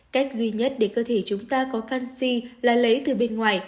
cách duy nhất để cơ thể chúng ta có canxi là lấy từ bên ngoài